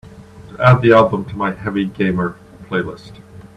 Add the album to my Heavy Gamer playlist.